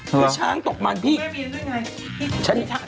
พี่ไม่มีเรื่องไร